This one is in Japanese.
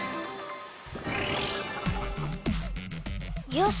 よし！